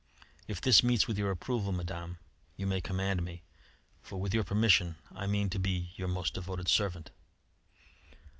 If this meets with your approval, Madame, you may command me, for with your permission I mean to be your most devoted servant."